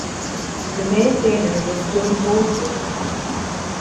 The maintainer was Jody Goldberg.